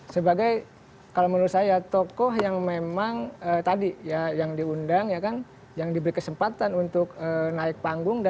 sebagai kalau menurut saya tokoh yang memang tadi ya yang diundang ya kan yang diberi kesempatan untuk naik panggung